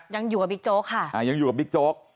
ยังอยู่กับบิ๊กโจ๊กค่ะยังอยู่กับบิ๊กโจ๊ก